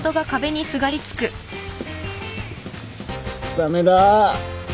駄目だ。